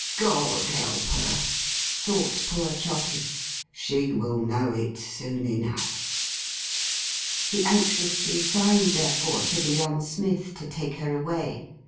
'God help her,' thought poor Trotty. 'She will know it soon enough.' He anxiously signed, therefore, to the young smith, to take her away.